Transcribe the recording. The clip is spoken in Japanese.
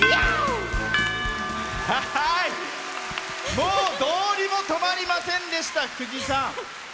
もうどうにもとまりませんでした、藤さん。